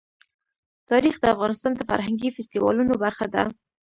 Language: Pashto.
تاریخ د افغانستان د فرهنګي فستیوالونو برخه ده.